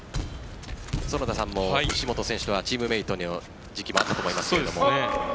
園田さんも西本選手とはチームメートの時期もあったと思いますが。